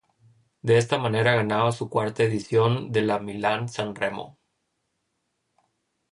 De esta manera ganaba su cuarta edición de la Milán-San Remo.